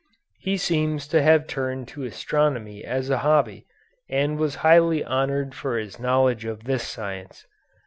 He seems to have turned to astronomy as a hobby, and was highly honored for his knowledge of this science.